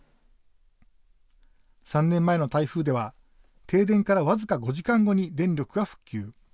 ３年前の台風では停電から僅か５時間後に電力が復旧。